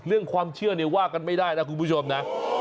เรื่องความเชื่อเนี่ยว่ากันไม่ได้นะคุณผู้ชมนะ